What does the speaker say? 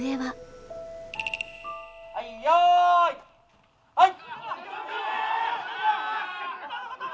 はいよいはい！